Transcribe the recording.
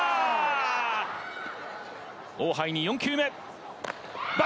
オウ・ハイに４球目。